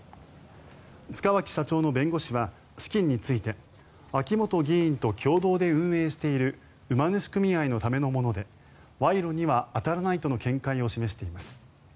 塚脇社長の弁護士は資金について秋本議員と共同で運営している馬主組合のためのもので賄賂には当たらないとの見解を示しています。